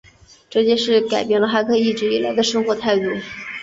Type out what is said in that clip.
这件事改变了汉克一直以来的生活态度。